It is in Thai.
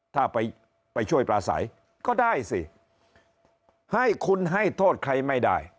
ถ้าไปช่วยปลาใสก็ได้สิให้คุณให้โทษใครไม่ได้